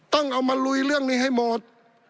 ต้องเอามาลุยเรื่องนี้ให้หมด